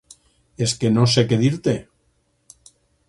És que no sé què dir-te.